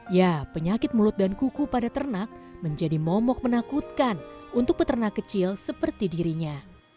ya penyakit mulut dan kuku pada ternak menjadi momok menakutkan untuk peternak kecil seperti dirinya